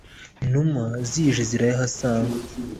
inuma zije zirayahasanga